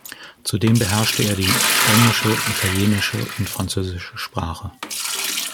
Zudem beherrschte er die englische, italienische und französische Sprache.